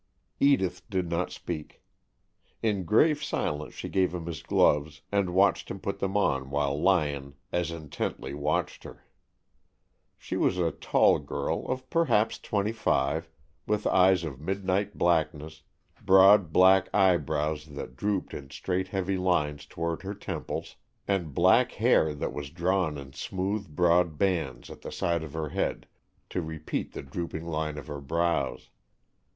Edith did not speak. In grave silence she gave him his gloves, and watched him put them on while Lyon as intently watched her. She was a tall girl of perhaps twenty five, with eyes of midnight blackness, broad black eyebrows that drooped in straight heavy lines toward her temples, and black hair that was drawn in smooth, broad bands at the side of her head to repeat the drooping line of her brows.